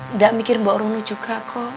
enggak mikir mbak rono juga kok